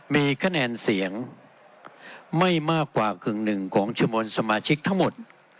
มีคะแนนเสียงไม่มากกว่ากึ่งหนึ่งของชนวนสมาชิกทั้งหมด